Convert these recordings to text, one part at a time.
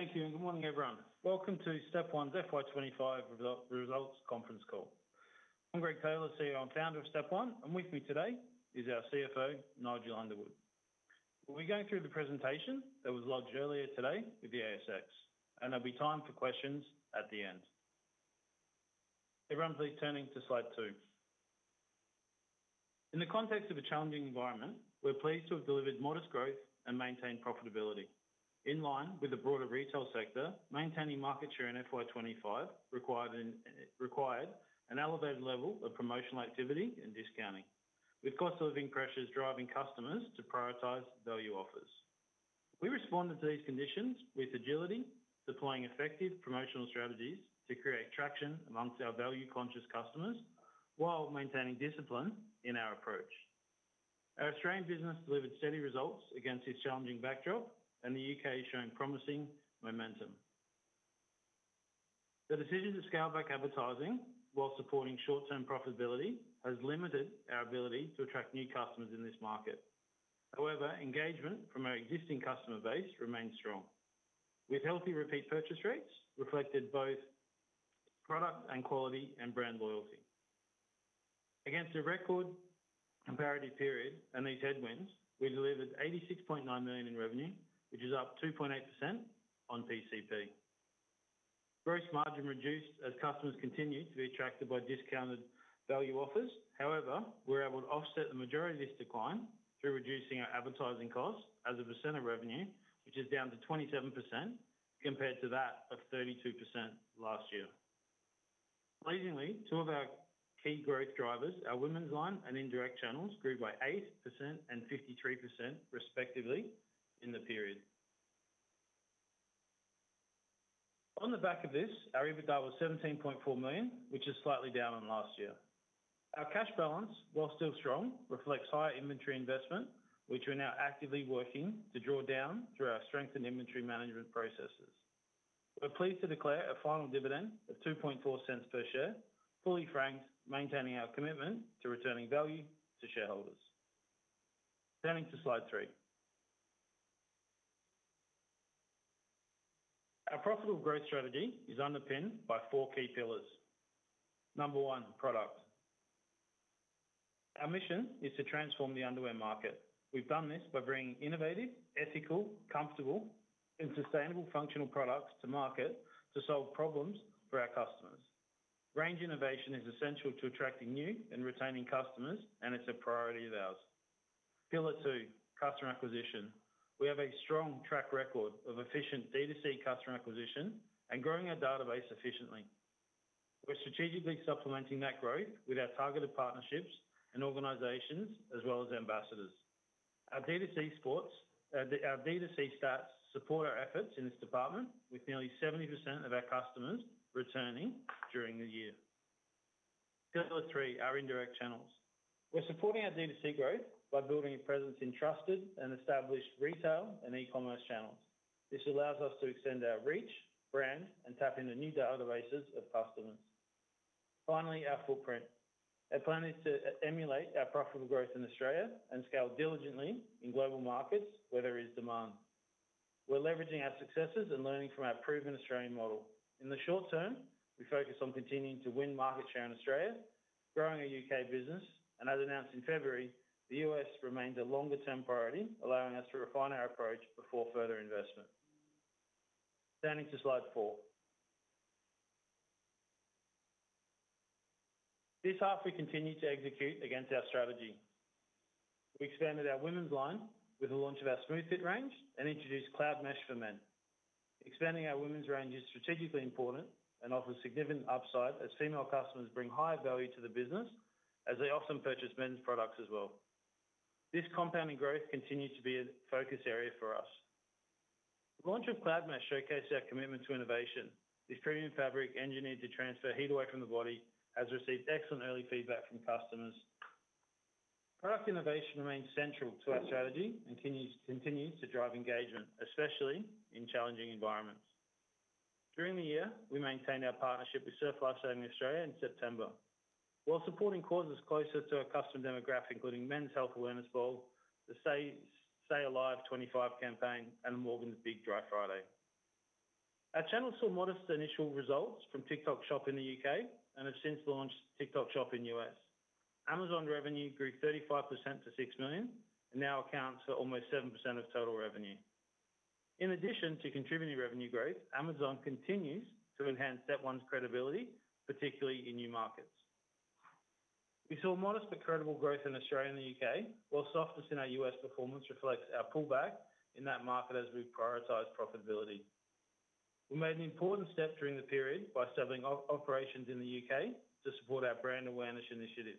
Thank you and good morning, everyone. Welcome to Step One's FY 2025 Results Conference call. I'm Greg Taylor, CEO and Founder of Step One, and with me today is our CFO, Nigel Underwood. We'll be going through the presentation that was lodged earlier today with the ASX, and there'll be time for questions at the end. Everyone, please turn to slide two. In the context of a challenging environment, we're pleased to have delivered modest growth and maintained profitability. In line with the broader retail sector, maintaining market share in FY 2025 required an elevated level of promotional activity and discounting, with cost of living pressures driving customers to prioritize value offers. We responded to these conditions with agility, deploying effective promotional strategies to create traction amongst our value-conscious customers while maintaining discipline in our approach. Our Australian business delivered steady results against its challenging backdrop, and the U.K. has shown promising momentum. The decision to scale back advertising while supporting short-term profitability has limited our ability to attract new customers in this market. However, engagement from our existing customer base remains strong, with healthy repeat purchase rates reflected both product and quality and brand loyalty. Against a record comparative period and these headwinds, we delivered $86.9 million in revenue, which is up 2.8% on PCP. Gross margin reduced as customers continued to be attracted by discounted value offers. However, we were able to offset the majority of this decline through reducing our advertising costs as a percent of revenue, which is down to 27% compared to that of 32% last year. Pleasingly, two of our key growth drivers, our women's line and indirect channels, grew by 8% and 53% respectively in the period. On the back of this, our EBITDA was $17.4 million, which is slightly down from last year. Our cash balance, while still strong, reflects higher inventory investment, which we're now actively working to draw down through our strengthened inventory management processes. We're pleased to declare a final dividend of $0.024 per share, fully franked, maintaining our commitment to returning value to shareholders. Turning to slide three. Our profitable growth strategy is underpinned by four key pillars. Number one, product. Our mission is to transform the underwear market. We've done this by bringing innovative, ethical, comfortable, and sustainable functional products to market to solve problems for our customers. Range innovation is essential to attracting new and retaining customers, and it's a priority of ours. Pillar two, customer acquisition. We have a strong track record of efficient D2C customer acquisition and growing our database efficiently. We're strategically supplementing that growth with our targeted partnerships and organizations, as well as ambassadors. Our D2C stats support our efforts in this department, with nearly 70% of our customers returning during the year. Pillar three, our indirect channels. We're supporting our D2C growth by building a presence in trusted and established retail and e-commerce channels. This allows us to extend our reach, brand, and tap into new databases of customers. Finally, our footprint. Our plan is to emulate our profitable growth in Australia and scale diligently in global markets, where there is demand. We're leveraging our successes and learning from our proven Australian model. In the short term, we focus on continuing to win market share in Australia, growing our U.K. business, and as announced in February, the U.S. remains a longer-term priority, allowing us to refine our approach before further investment. Turning to slide four. This half, we continue to execute against our strategy. We expanded our women's line with the launch of our SmoothFit range and introduced Cloud Mesh for men. Expanding our women's range is strategically important and offers significant upside as female customers bring higher value to the business, as they often purchase men's products as well. This compounding growth continues to be a focus area for us. The launch of Cloud Mesh showcased our commitment to innovation. This premium fabric engineered to transfer heat away from the body has received excellent early feedback from customers. Product innovation remains central to our strategy and continues to drive engagement, especially in challenging environments. During the year, we maintained our partnership with Surf Life Saving Australia in September, while supporting causes closer to our customer demographic, including Men's Health Awareness Ball, the 25 STAY ALIVE campaign, and the Morgans Big Dry Friday. Our channels saw modest initial results from TikTok Shop in the U.K. and have since launched TikTok Shop in the U.S.. Amazon revenue grew 35% to $6 million and now accounts for almost 7% of total revenue. In addition to contributing revenue growth, Amazon continues to enhance Step One's credibility, particularly in new markets. We saw modest but credible growth in Australia and the U.K., while softness in our U.S. performance reflects our pullback in that market as we prioritize profitability. We made an important step during the period by strengthening operations in the U.K. to support our brand awareness initiatives.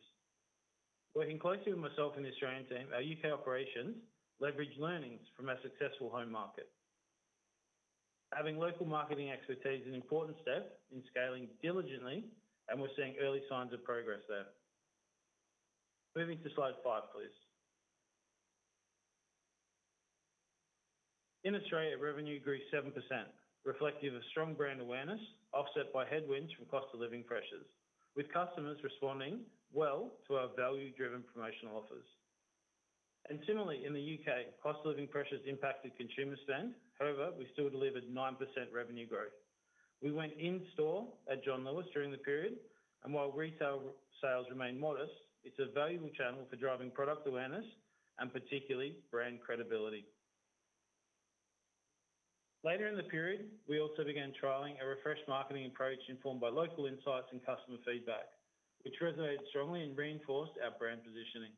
Working closely with myself and the Australian team, our U.K. operations leveraged learnings from our successful home market. Having local marketing expertise is an important step in scaling diligently, and we're seeing early signs of progress there. Moving to slide five, please. In Australia, revenue grew 7%, reflective of strong brand awareness offset by headwinds from cost of living pressures, with customers responding well to our value-driven promotional offers. Similarly, in the U.K., cost of living pressures impacted consumer spend. However, we still delivered 9% revenue growth. We went in-store at John Lewis during the period, and while retail sales remain modest, it's a valuable channel for driving product awareness and particularly brand credibility. Later in the period, we also began trialing a refreshed marketing approach informed by local insights and customer feedback, which resonated strongly and reinforced our brand positioning.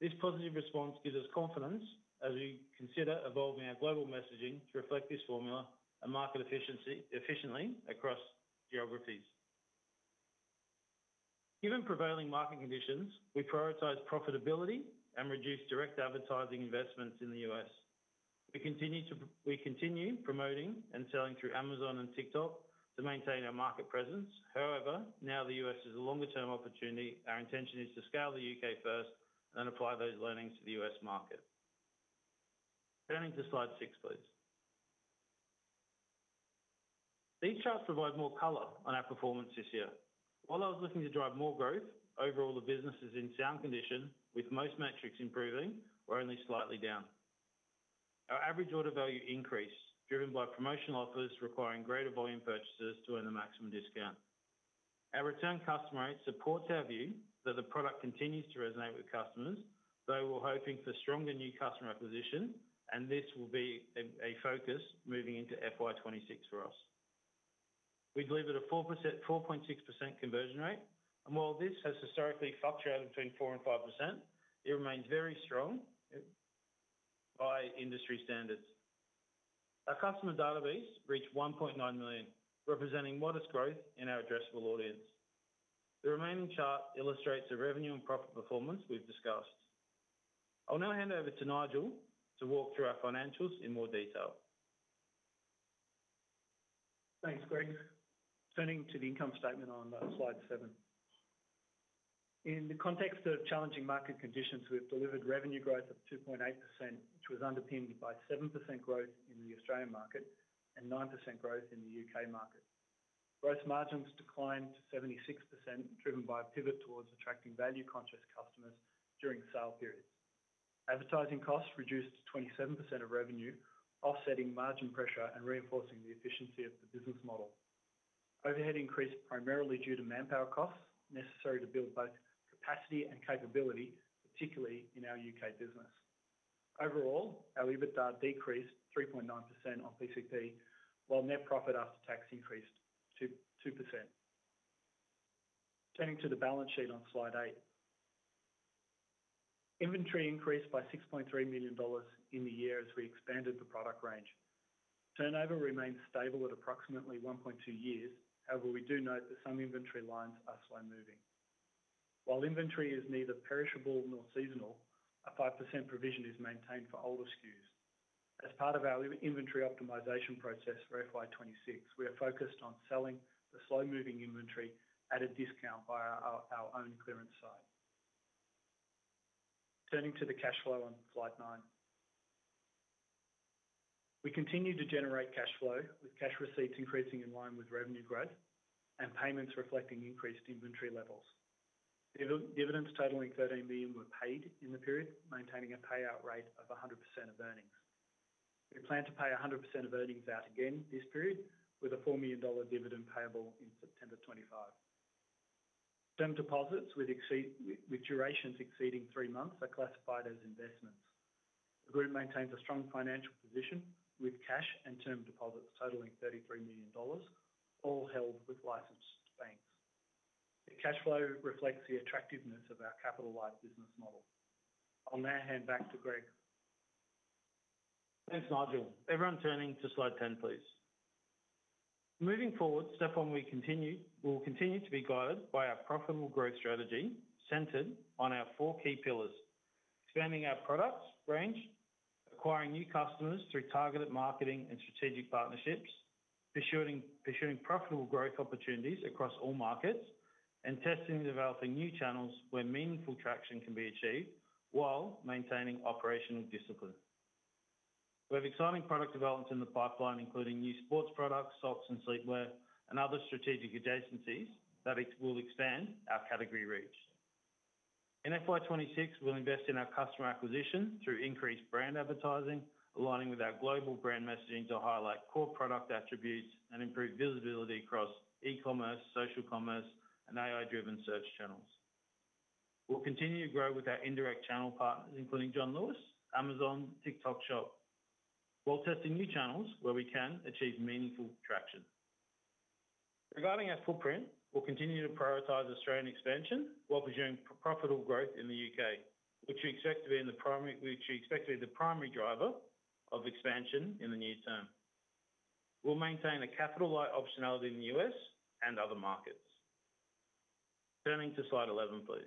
This positive response gives us confidence as we consider evolving our global messaging to reflect this formula and market efficiency efficiently across geographies. Given prevailing market conditions, we prioritize profitability and reduce direct advertising investments in the U.S. We continue promoting and selling through Amazon and TikTok Shop to maintain our market presence. However, now the U.S. is a longer-term opportunity. Our intention is to scale the U.K. first and then apply those learnings to the U.S. market. Turning to slide six, please. These charts provide more color on our performance this year. While I was looking to drive more growth, overall the business is in sound condition, with most metrics improving or only slightly down. Our average order value increased, driven by promotional offers requiring greater volume purchases to earn a maximum discount. Our return customer rate supports our view that the product continues to resonate with customers, though we're hoping for stronger new customer acquisitions, and this will be a focus moving into FY 2026 for us. We delivered a 4.6% conversion rate, and while this has historically fluctuated between 4% and 5%, it remains very strong by industry standards. Our customer database reached 1.9 million, representing modest growth in our addressable audience. The remaining chart illustrates the revenue and profit performance we've discussed. I'll now hand over to Nigel to walk through our financials in more detail. Thanks, Greg. Turning to the income statement on slide seven. In the context of challenging market conditions, we've delivered revenue growth of 2.8%, which was underpinned by 7% growth in the Australian market and 9% growth in the U.K. market. Gross margins declined to 76%, driven by a pivot towards attracting value-conscious customers during sale periods. Advertising costs reduced to 27% of revenue, offsetting margin pressure and reinforcing the efficiency of the business model. Overhead increased primarily due to manpower costs necessary to build both capacity and capability, particularly in our U.K. business. Overall, our EBITDA decreased 3.9% on PCP, while net profit after tax increased to 2%. Turning to the balance sheet on slide eight. Inventory increased by $6.3 million in the year as we expanded the product range. Turnover remains stable at approximately 1.2 years. However, we do note that some inventory lines are slow-moving. While inventory is neither perishable nor seasonal, a 5% provision is maintained for older SKUs. As part of our inventory optimization process for FY 2026, we are focused on selling the slow-moving inventory at a discount via our own clearance site. Turning to the cash flow on slide nine. We continue to generate cash flow, with cash receipts increasing in line with revenue growth and payments reflecting increased inventory levels. The dividends totaling $13 million were paid in the period, maintaining a payout rate of 100% of earnings. We plan to pay 100% of earnings out again this period, with a $4 million dividend payable in September 2025. Term deposits with durations exceeding three months are classified as investments. The group maintains a strong financial position with cash and term deposits totaling $33 million, all held with licensed banks. The cash flow reflects the attractiveness of our capital-light business model. I'll now hand back to Greg. Thanks, Nigel. Everyone, turning to slide 10, please. Moving forward, Step One will continue to be guided by our profitable growth strategy, centered on our four key pillars, expanding our product range, acquiring new customers through targeted marketing and strategic partnerships, pursuing profitable growth opportunities across all markets, and testing and developing new channels where meaningful traction can be achieved while maintaining operational discipline. We have exciting product developments in the pipeline, including new sports products, socks and sleepwear, and other strategic adjacencies that will expand our category reach. In FY 2026, we'll invest in our customer acquisition through increased brand advertising, aligning with our global brand messaging to highlight core product attributes and improve visibility across e-commerce, social commerce, and AI-driven search channels. We'll continue to grow with our indirect channel partners, including John Lewis, Amazon, and TikTok Shop, while testing new channels where we can achieve meaningful traction. Regarding our footprint, we'll continue to prioritize Australian expansion while pursuing profitable growth in the U.K., which we expect to be the primary driver of expansion in the near term. We'll maintain a capital-light optionality in the U.S. and other markets. Turning to slide 11, please.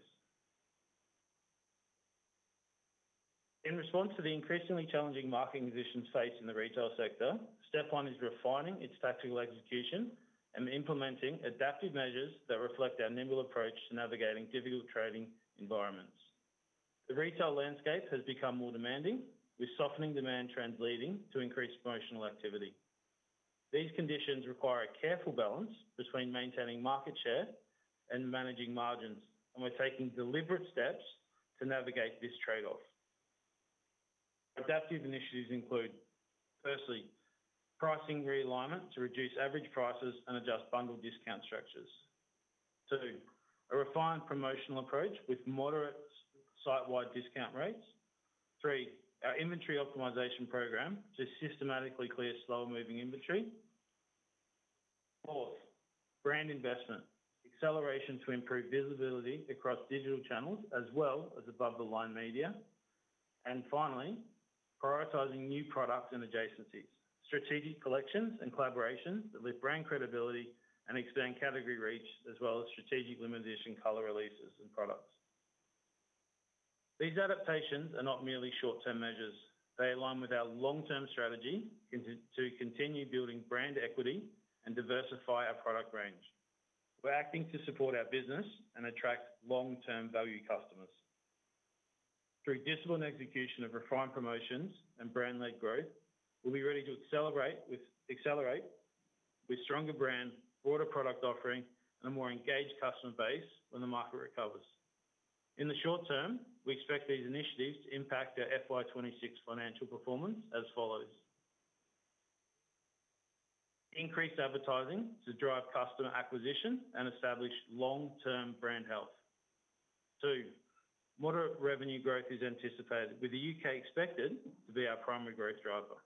In response to the increasingly challenging marketing positions faced in the retail sector, Step One is refining its tactical execution and implementing adaptive measures that reflect our nimble approach to navigating difficult trading environments. The retail landscape has become more demanding, with softening demand trends leading to increased promotional activity. These conditions require a careful balance between maintaining market share and managing margins, and we're taking deliberate steps to navigate this trade-off. Adaptive initiatives include, firstly, pricing realignment to reduce average prices and adjust bundle discount structures. Two, a refined promotional approach with moderate site-wide discount rates. Three, our inventory optimization program to systematically clear slow-moving inventory. Four, brand investment, acceleration to improve visibility across digital channels as well as above-the-line media. Finally, prioritizing new products and adjacencies, strategic collections and collaborations that lift brand credibility and expand category reach, as well as strategic limited edition color releases and products. These adaptations are not merely short-term measures. They align with our long-term strategy to continue building brand equity and diversify our product range. We're acting to support our business and attract long-term value customers. Through disciplined execution of refined promotions and brand-led growth, we'll be ready to accelerate with stronger brand, broader product offering, and a more engaged customer base when the market recovers. In the short term, we expect these initiatives to impact our FY 2026 financial performance as follows. Increased advertising to drive customer acquisition and establish long-term brand health. Two, moderate revenue growth is anticipated, with the U.K. expected to be our primary growth driver.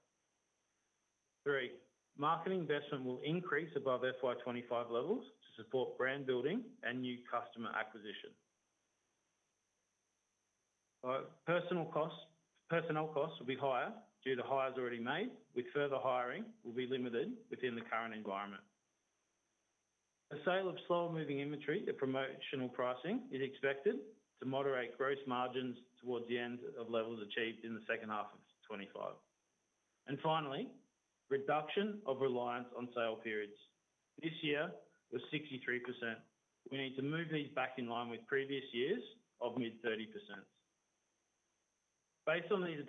Three, marketing investment will increase above FY 2025 levels to support brand building and new customer acquisition. Personnel costs will be higher due to hires already made, with further hiring limited within the current environment. A sale of slow-moving inventory at promotional pricing is expected to moderate gross margins towards the end of levels achieved in the second half of 2025. Finally, reduction of reliance on sale periods. This year, we're at 63%. We need to move these back in line with previous years of mid-30%. Based on these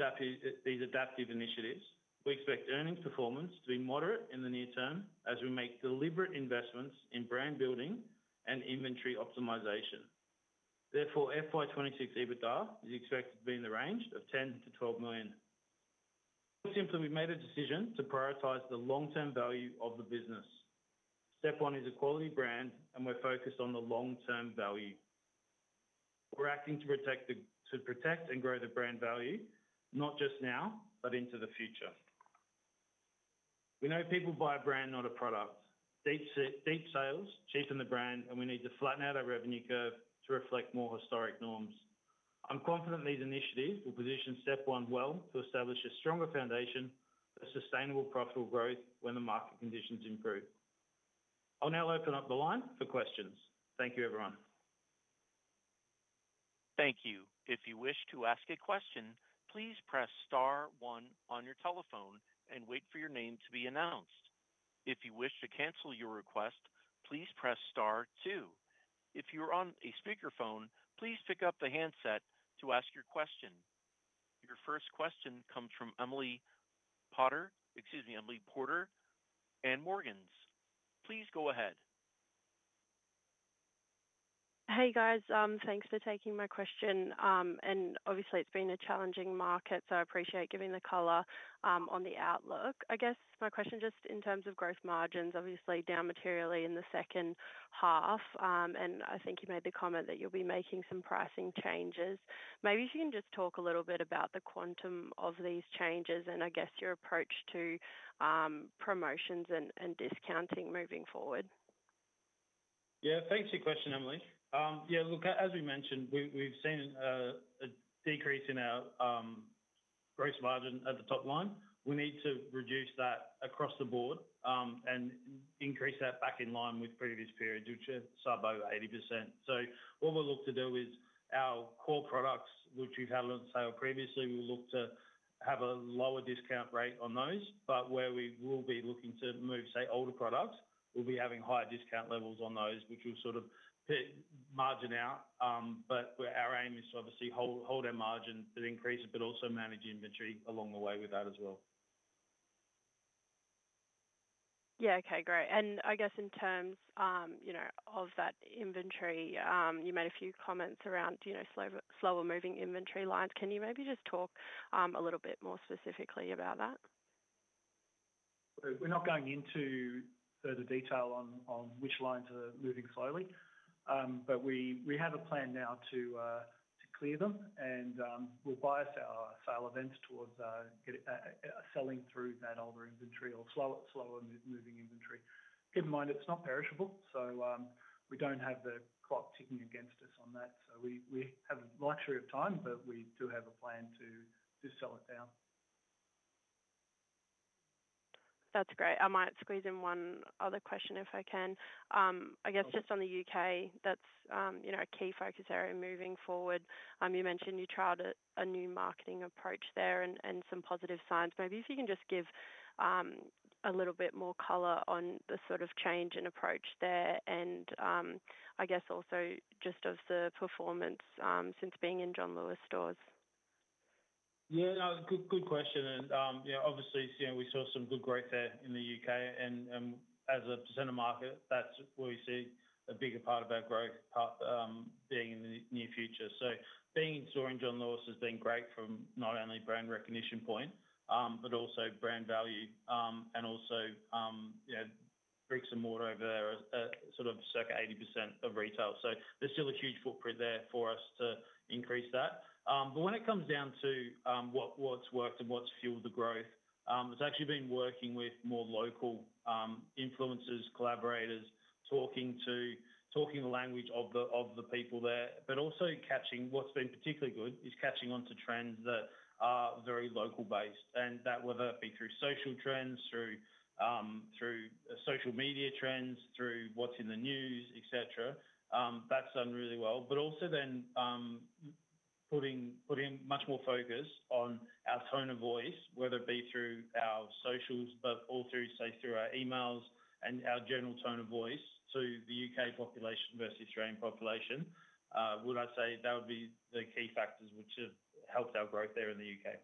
adaptive initiatives, we expect earnings performance to be moderate in the near term as we make deliberate investments in brand building and inventory optimization. Therefore, FY 2026 EBITDA is expected to be in the range of $10 million-$12 million. Simply, we made a decision to prioritize the long-term value of the business. Step One is a quality brand, and we're focused on the long-term value. We're acting to protect and grow the brand value, not just now but into the future. We know people buy a brand, not a product. Deep sales cheapen the brand, and we need to flatten out our revenue curve to reflect more historic norms. I'm confident these initiatives will position Step One well to establish a stronger foundation for sustainable profitable growth when the market conditions improve. I'll now open up the line for questions. Thank you, everyone. Thank you. If you wish to ask a question, please press star one on your telephone and wait for your name to be announced. If you wish to cancel your request, please press star two. If you are on a speaker phone, please pick up the handset to ask your question. Your first question comes from Emily Porter at Morgans. Please go ahead. Hey, guys. Thanks for taking my question. Obviously, it's been a challenging market, so I appreciate giving the color on the outlook. I guess my question just in terms of gross margins, obviously down materially in the second half. I think you made the comment that you'll be making some pricing changes. Maybe if you can just talk a little bit about the quantum of these changes and your approach to promotions and discounting moving forward. Yeah, thanks for your question, Emily. As we mentioned, we've seen a decrease in our gross margin at the top line. We need to reduce that across the board and increase that back in line with previous periods, which is sub-80%. What we'll look to do is our core products, which we've had on sale previously, we'll look to have a lower discount rate on those. Where we will be looking to move, say, older products, we'll be having higher discount levels on those, which will sort of margin out. Our aim is to obviously hold our margin to increase, but also manage inventory along the way with that as well. Okay, great. I guess in terms of that inventory, you made a few comments around slower moving inventory lines. Can you maybe just talk a little bit more specifically about that? We're not going into further detail on which lines are moving slowly, but we have a plan now to clear them, and we'll bias our sale events towards selling through that older inventory or slower moving inventory. Keep in mind, it's not perishable, so we don't have the clock ticking against us on that. We have the luxury of time, but we do have a plan to sell it down. That's great. I might squeeze in one other question if I can. I guess just on the U.K., that's a key focus area moving forward. You mentioned you trialed a new marketing approach there and some positive signs. Maybe if you can just give a little bit more color on the sort of change in approach there, and I guess also just of the performance since being in John Lewis stores. Yeah, no, good question. Obviously, we saw some good growth there in the U.K. As a percent of market, that's where we see a bigger part of our growth being in the near future. Being in store in John Lewis has been great from not only a brand recognition point, but also brand value, and also bricks and mortar over there are sort of circa 80% of retail. There's still a huge footprint there for us to increase that. When it comes down to what's worked and what's fueled the growth, it's actually been working with more local influencers, collaborators, talking the language of the people there. Also, what's been particularly good is catching onto trends that are very local-based, whether it be through social trends, through social media trends, through what's in the news, etc. That's done really well. Also, putting much more focus on our tone of voice, whether it be through our socials, but also through our emails and our general tone of voice to the U.K. population versus the Australian population. I'd say that would be the key factors which have helped our growth there in the U.K..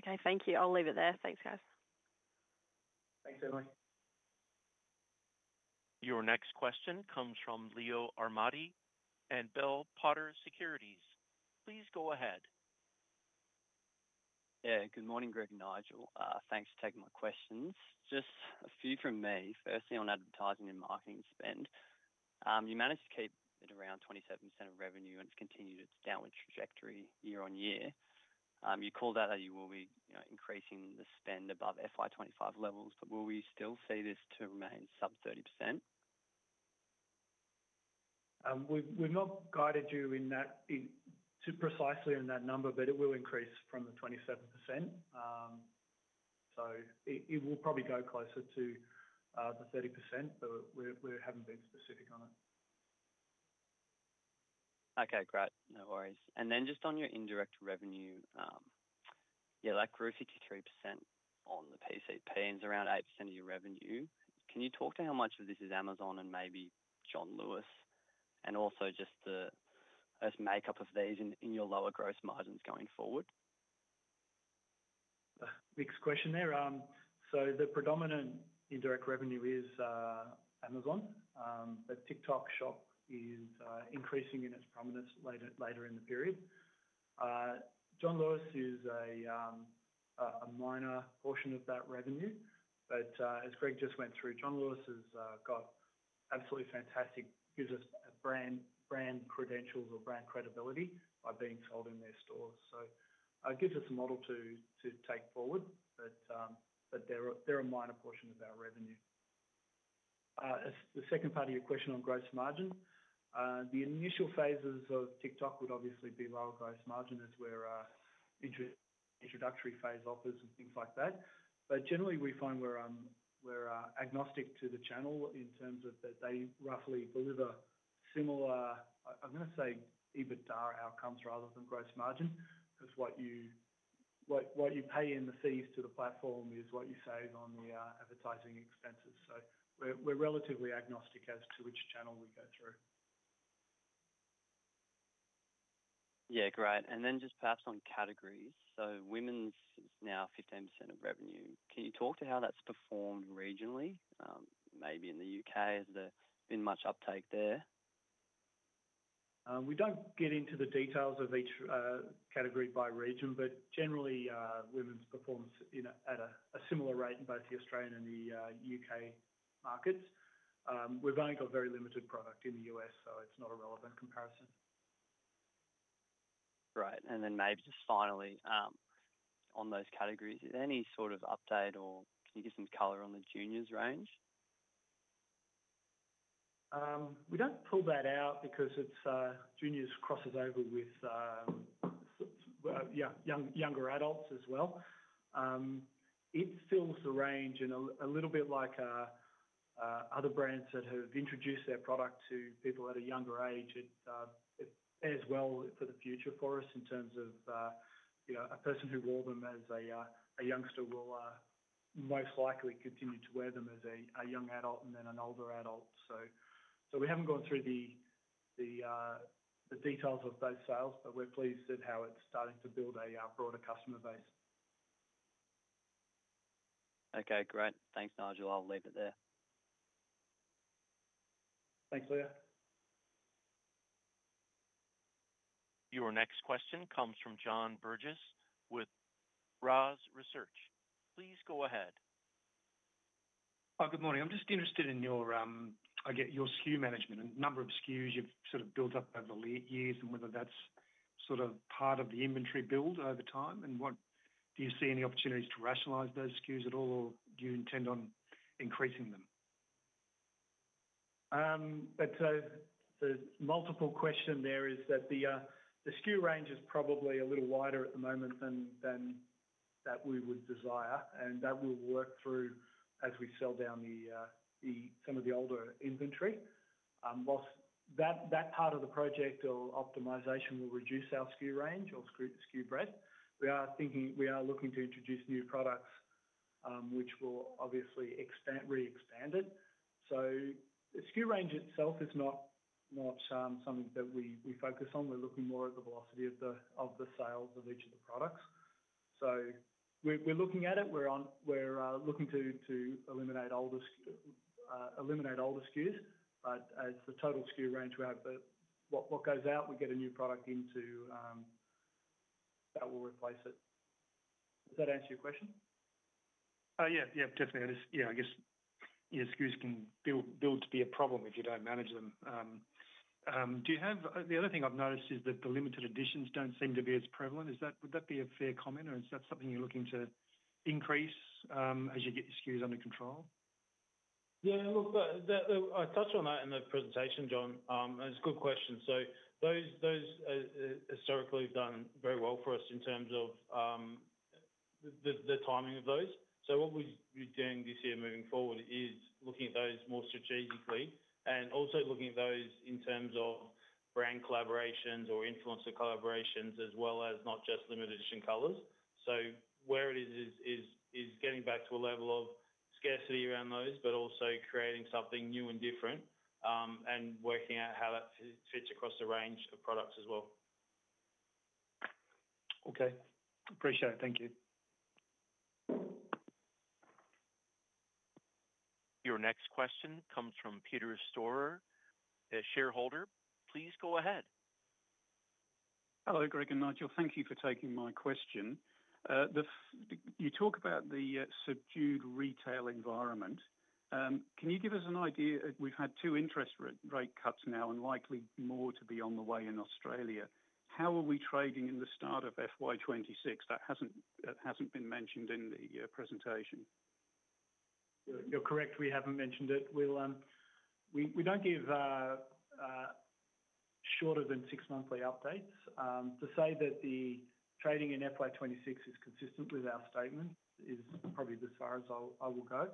Okay, thank you. I'll leave it there. Thanks, guys. Thanks, Emily. Your next question comes from Leo Armati at Bell Potter Securities. Please go ahead. Good morning, Greg and Nigel. Thanks for taking my questions. Just a few from me. Firstly, on advertising and marketing spend, you managed to keep it around 27% of revenue, and it's continued its downward trajectory year on year. You call out that you will be increasing the spend above FY 2025 levels, but will we still see this to remain sub-30%? We've not guided you precisely in that number, but it will increase from the 27%. It will probably go closer to the 30%, but we haven't been specific on it. Okay, great. No worries. Just on your indirect revenue, that grew 53% on the PCP and is around 8% of your revenue. Can you talk to how much of this is Amazon and maybe John Lewis? Also, just the makeup of these in your lower gross margins going forward? Mixed question there. The predominant indirect revenue is Amazon, but TikTok Shop is increasing in its prominence later in the period. John Lewis is a minor portion of that revenue. As Greg just went through, John Lewis has got absolutely fantastic, gives us brand credentials or brand credibility by being sold in their stores. It gives us a model to take forward, but they're a minor portion of our revenue. The second part of your question on gross margin, the initial phases of TikTok would obviously be lower gross margin as where our introductory phase offers and things like that. Generally, we find we're agnostic to the channel in terms of that they roughly deliver similar, I'm going to say, EBITDA outcomes rather than gross margin. What you pay in the fees to the platform is what you save on the advertising expenses. We're relatively agnostic as to which channel we go through. Great. Perhaps on categories, women's is now 15% of revenue. Can you talk to how that's performed regionally? Maybe in the U.K., has there been much uptake there? We don't get into the details of each category by region, but generally, women's performs at a similar rate in both the Australian and the U.K. markets. We've only got a very limited product in the U.S., so it's not a relevant comparison. Right. Maybe just finally, on those categories, is there any sort of update or can you give some color on the juniors range? We don't pull that out because juniors crosses over with younger adults as well. It fills the range in a little bit like other brands that have introduced their product to people at a younger age as well for the future for us in terms of a person who wore them as a youngster will most likely continue to wear them as a young adult and then an older adult. We haven't gone through the details of both sales, but we're pleased at how it's starting to build a broader customer base. Okay, great. Thanks, Nigel. I'll leave it there. Thanks, Leo. Your next question comes from John Burgess with RaaS Research. Please go ahead. Oh, good morning. I'm just interested in your SKU management and the number of SKUs you've sort of built up over the late years and whether that's sort of part of the inventory build over time. What do you see in the opportunities to rationalize those SKUs at all, or do you intend on increasing them? The multiple question there is that the SKU range is probably a little wider at the moment than we would desire, and that we'll work through as we sell down some of the older inventory. Whilst that part of the project or optimization will reduce our SKU range or SKU breadth, we are looking to introduce new products which will obviously re-expand it. The SKU range itself is not something that we focus on. We're looking more at the velocity of the sale of the digital products. We're looking to eliminate older SKUs, but it's the total SKU range we have. What goes out, we get a new product in that will replace it. Does that answer your question? Yeah. Yeah, definitely. I guess SKUs can build to be a problem if you don't manage them. The other thing I've noticed is that the limited editions don't seem to be as prevalent. Would that be a fair comment, or is that something you're looking to increase as you get SKUs under control? Yeah, look, I touched on that in the presentation, John. It's a good question. Those historically have done very well for us in terms of the timing of those. What we're doing this year moving forward is looking at those more strategically and also looking at those in terms of brand collaborations or influencer collaborations, as well as not just limited edition colors. Where it is, is getting back to a level of scarcity around those, but also creating something new and different and working out how that fits across a range of products as well. Okay, appreciate it. Thank you. Your next question comes from Peter Storer, a shareholder. Please go ahead. Hello, Greg and Nigel. Thank you for taking my question. You talk about the subdued retail environment. Can you give us an idea? We've had two interest rate cuts now and likely more to be on the way in Australia. How are we trading in the start of FY 2026? That hasn't been mentioned in the presentation. You're correct. We haven't mentioned it. We don't give shorter than six monthly updates. To say that the trading in FY 2026 is consistent with our statement is probably as far as I will go.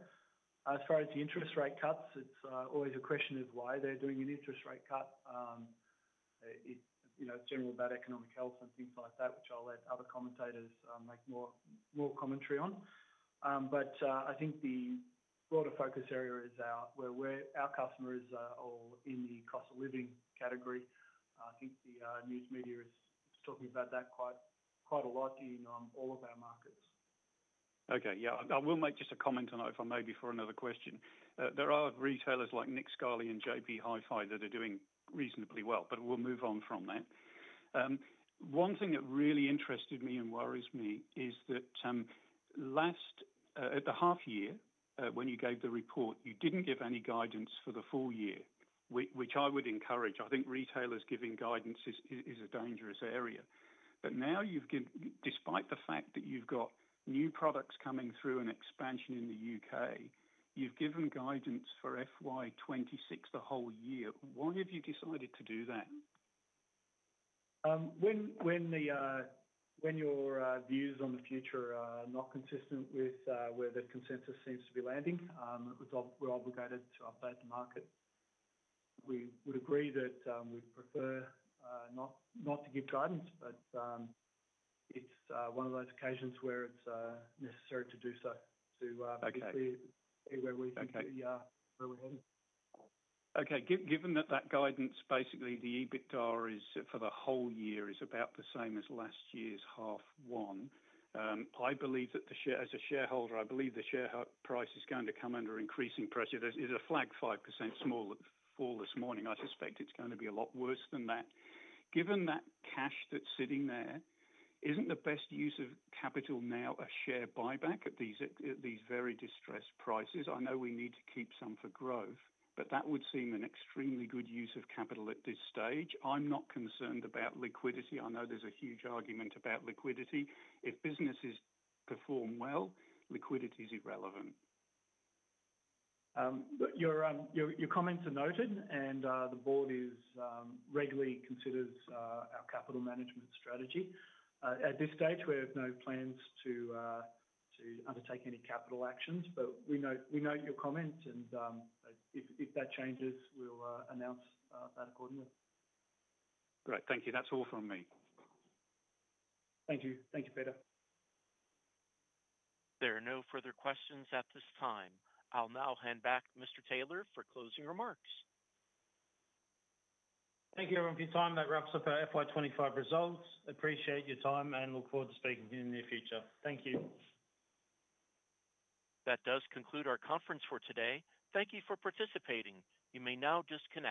As far as the interest rate cuts, it's always a question of why they're doing an interest rate cut. It's general about economic health and things like that, which I'll let other commentators make more commentary on. I think the broader focus area is our customers are all in the cost of living category. I think the news media is talking about that quite a lot in all of our markets. Okay, yeah. I will make just a comment on that if I may before another question. There are retailers like Nick Scali and JB Hi-Fi that are doing reasonably well, but we'll move on from that. One thing that really interested me and worries me is that last at the half year when you gave the report, you didn't give any guidance for the full year, which I would encourage. I think retailers giving guidance is a dangerous area. Now you've given, despite the fact that you've got new products coming through and expansion in the U.K., you've given guidance for FY 2026 the whole year. Why have you decided to do that? When your views on the future are not consistent with where the consensus seems to be landing, we're obligated to update the market. We would agree that we'd prefer not to give guidance, but it's one of those occasions where it's necessary to do so. We'll see where we think we are going. Okay, given that guidance, basically the EBITDA for the whole year is about the same as last year's half one. I believe that as a shareholder, I believe the share price is going to come under increasing pressure. It is a flag 5% small fall this morning. I suspect it's going to be a lot worse than that. Given that cash that's sitting there, isn't the best use of capital now a share buyback at these very distressed prices? I know we need to keep some for growth, but that would seem an extremely good use of capital at this stage. I'm not concerned about liquidity. I know there's a huge argument about liquidity. If businesses perform well, liquidity is irrelevant. Your comments are noted, and the board regularly considers our capital management strategy. At this stage, we have no plans to undertake any capital actions, but we note your comments, and if that changes, we'll announce that accordingly. Great, thank you. That's all from me. Thank you. Thank you, Peter. There are no further questions at this time. I'll now hand back to Mr. Taylor for closing remarks. Thank you, everyone, for your time. That wraps up our FY 2025 results. I appreciate your time and look forward to speaking with you in the near future. Thank you. That does conclude our conference for today. Thank you for participating. You may now disconnect.